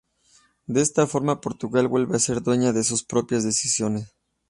De esta forma Portugal vuelve a ser dueña de sus propias decisiones.